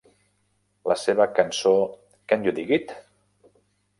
La seva cançó Can You Dig It?